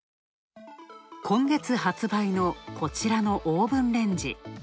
今月発売のこちらのオーブンレンジ。